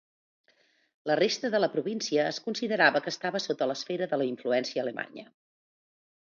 La resta de la província es considerava que estava sota l'esfera d'influència alemanya.